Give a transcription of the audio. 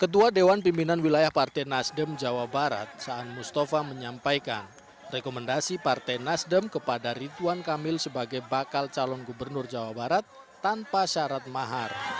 ketua dewan pimpinan wilayah partai nasdem jawa barat saan mustafa menyampaikan rekomendasi partai nasdem kepada ridwan kamil sebagai bakal calon gubernur jawa barat tanpa syarat mahar